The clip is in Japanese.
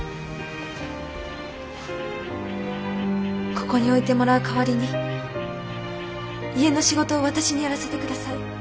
ここに置いてもらう代わりに家の仕事を私にやらせて下さい。